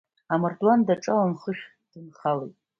Амардуан днаҿалан, хыхь дынхалеит.